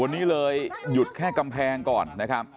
วันนี้เลยหยุดแค่กำแพงก่อนนะครับ